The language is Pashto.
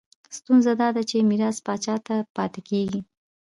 ستونزه دا ده چې میراث پاچا ته پاتې کېږي.